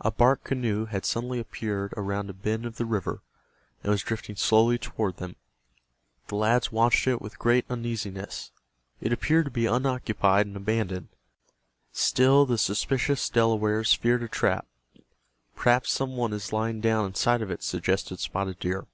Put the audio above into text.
A bark canoe had suddenly appeared around a bend of the river, and was drifting slowly toward them. The lads watched it with great uneasiness. It appeared to be unoccupied and abandoned. Still the suspicious Delawares feared a trap. "Perhaps some one is lying down inside of it," suggested Spotted Deer.